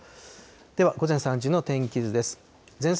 では、午前３時の天気図です。